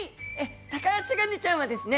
タカアシガニちゃんはですね